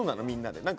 みんなで。